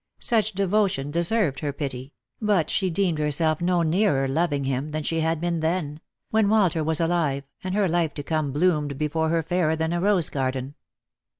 Such devotion deserved her pity ; but she deemed herself no nearer loving him than she had been then — when Walter was alive, and her life to come bloomed before her fairer than a rose garden.